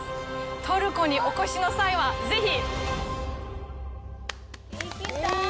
トルコにお越しの際は、ぜひ！行きたい！